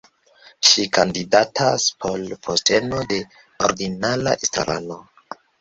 Ŝi kandidatas por posteno de ordinara estrarano.